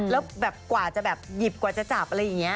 แล้วแบบกว่าจะแบบหยิบกว่าจะจับอะไรอย่างนี้